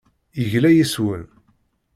Yegla yes-wen.